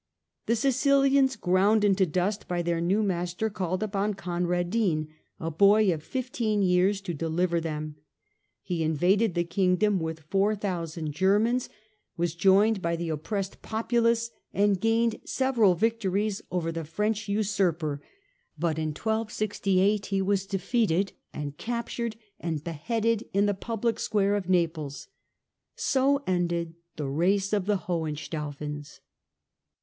The Sicilians, ground into dust by their new master, called upon Conradin, a boy of fifteen years, to deliver them. He invaded the Kingdom with 4000 Germans, 280 STUPOR MUNDI was joined by the oppressed populace, and gained several victories over the French usurper. But in 1268 he was defeated and captured, and beheaded in the public square of Naples. So ended the race of the Hohenstaufens.